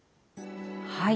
はい。